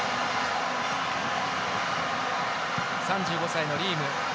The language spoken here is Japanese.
３５歳のリーム。